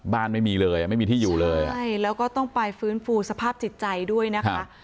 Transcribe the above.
ไม่มีเลยอ่ะไม่มีที่อยู่เลยใช่แล้วก็ต้องไปฟื้นฟูสภาพจิตใจด้วยนะคะ